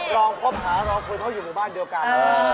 ลองคุมหารอคุยเค้าอยู่บ้านเดียวกัน